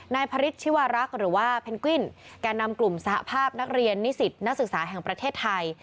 พระฤทธิวารักษ์หรือว่าเพนกวินแก่นำกลุ่มสหภาพนักเรียนนิสิตนักศึกษาแห่งประเทศไทย